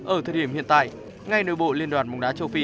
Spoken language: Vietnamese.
ở thời điểm hiện tại ngay nội bộ liên đoàn bóng đá châu phi